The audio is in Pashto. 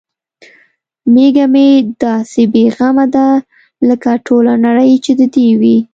میږه مې داسې بې غمه ده لکه ټوله نړۍ چې د دې وي.